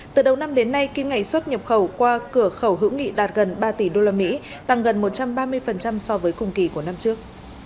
từ đầu năm đến nay kim ngạch xuất nhập khẩu qua cửa khẩu hữu nghị đạt gần ba tỷ usd tăng gần một trăm ba mươi so với cùng kỳ của năm trước